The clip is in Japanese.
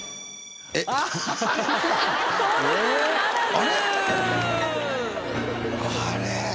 あれ？